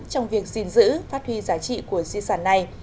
trong việc gìn giữ phát huy giá trị của nhân dân